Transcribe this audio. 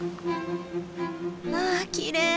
わあきれい！